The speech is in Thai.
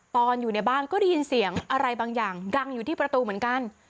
ตอนอยู่ในบ้านก็ได้ยินเสียงอะไรบางอย่างดังอยู่ที่ประตูเหมือนกัน